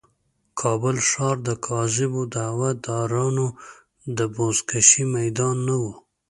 کابل ښار د کاذبو دعوه دارانو د بزکشې میدان نه و.